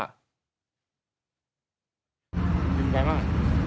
หิ่นไปมา